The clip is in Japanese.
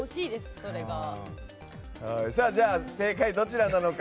じゃあ、正解どちらなのか。